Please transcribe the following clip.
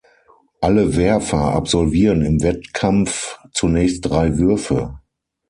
Alle Werfer absolvieren im Wettkampf zunächst drei Würfe.